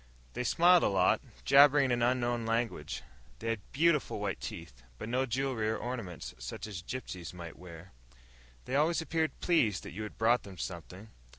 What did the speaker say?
They smiled a lot, jabbering in an unknown language. They had beautiful white teeth, but no jewelry or ornaments, such as gypsies might wear. They always appeared pleased that you brought them something.